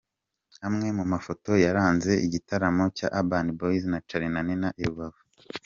Amwe mu mafoto yaranze igitaramo cya Urban Boys na Charly na Nina i Rubavu :.